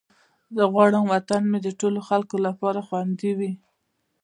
زه غواړم وطن مې د ټولو خلکو لپاره خوندي وي.